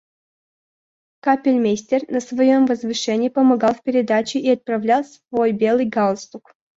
Капельмейстер на своем возвышении помогал в передаче и оправлял свой белый галстук.